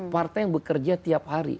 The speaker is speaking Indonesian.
partai yang bekerja tiap hari